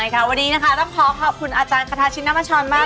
ใช่ค่ะวันนี้นะคะต้องขอขอบคุณอาจารย์ขทาชินน้ำอาชอร์นมาก